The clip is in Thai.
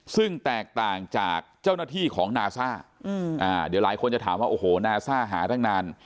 ซึ่งแตกต่างจากเจ้าหน้าที่ของนาซ่าเดี๋ยวหลายคนจะถามว่าโอ้โหนาซ่าหาตั้งนาน